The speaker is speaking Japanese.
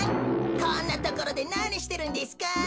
こんなところでなにしてるんですか？